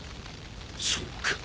そうか。